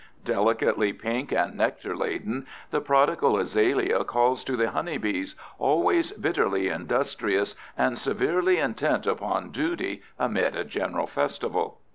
Delicately pink and nectar laden, the prodigal azalea calls to the honeybees, always bitterly industrious and severely intent upon duty amid a general festival.